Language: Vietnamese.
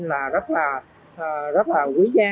là rất là quý giá